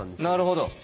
なるほど。